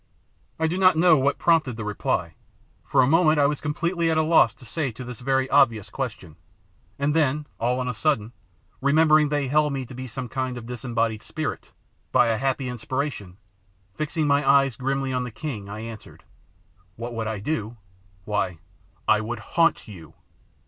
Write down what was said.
I do not know what prompted the reply. For a moment I was completely at a loss what to say to this very obvious question, and then all on a sudden, remembering they held me to be some kind of disembodied spirit, by a happy inspiration, fixing my eyes grimly on the king, I answered, "What would I do? Why, I WOULD HAUNT YOU!"